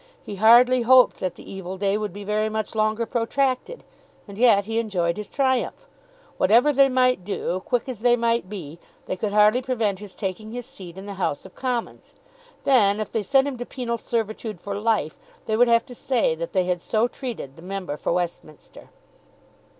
He hardly hoped that the evil day would be very much longer protracted, and yet he enjoyed his triumph. Whatever they might do, quick as they might be, they could hardly prevent his taking his seat in the House of Commons. Then if they sent him to penal servitude for life, they would have to say that they had so treated the member for Westminster!